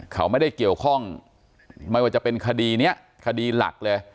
เขาไม่ได้เกี่ยวข้องไม่ว่าจะเป็นคดีนี้คดีหลักเลย